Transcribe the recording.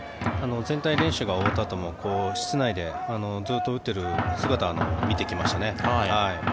全体練習が終わったあとも室内でずっと打っている姿を見てきましたね。